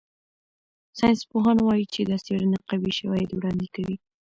ساینسپوهان وايي چې دا څېړنه قوي شواهد وړاندې کوي.